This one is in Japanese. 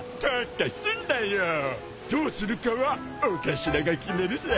どうするかはお頭が決めるさ。